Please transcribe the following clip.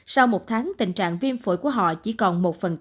sau một tháng tình trạng viêm phổi của họ chỉ còn một